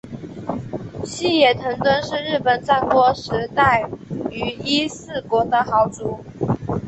细野藤敦是日本战国时代于伊势国的豪族。